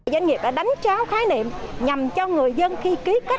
doanh nghiệp đã đánh tráo khái niệm nhằm cho người dân khi ký kết